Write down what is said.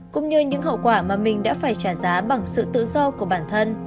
cũng như những hậu quả mà mình đã phải trả giá bằng sự tự do của bản thân